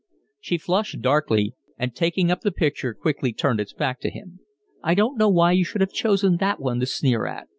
She flushed darkly and taking up the picture quickly turned its back to him. "I don't know why you should have chosen that one to sneer at.